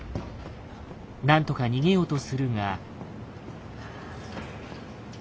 何とか逃げようとするが。